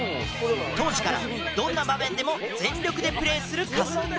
当時からどんな場面でも全力でプレーするカズ。